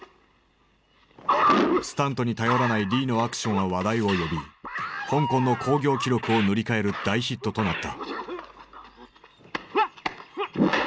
スタントに頼らないリーのアクションは話題を呼び香港の興行記録を塗り替える大ヒットとなった。